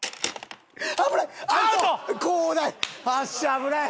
危ない！